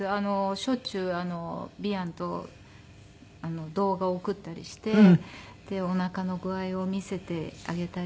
しょっちゅう弥安と動画送ったりしておなかの具合を見せてあげたり。